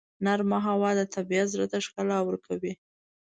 نرمه هوا د طبیعت زړه ته ښکلا ورکوي.